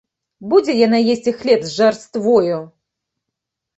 Будзе яна есці хлеб з жарствою?!